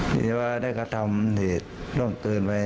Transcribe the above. ที่ว่าได้กระทำเหตุล่มเกินไป